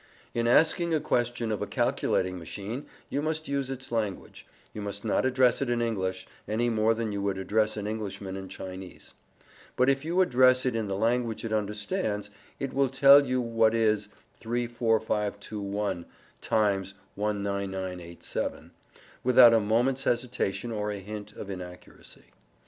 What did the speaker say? In asking a question of a calculating machine, you must use its language: you must not address it in English, any more than you would address an Englishman in Chinese. But if you address it in the language it understands, it will tell you what is 34521 times 19987, without a moment's hesitation or a hint of inaccuracy.